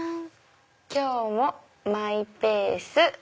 「今日もマイペース」。